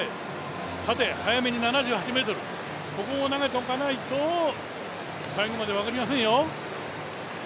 さて早めに７８ｍここを投げておかないと最後まで分かりませんよ。